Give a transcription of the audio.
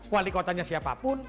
wali kotanya siapapun